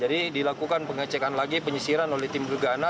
dilakukan pengecekan lagi penyisiran oleh tim gegana